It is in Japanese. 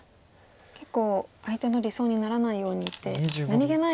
結構相手の理想にならないようにって何気ない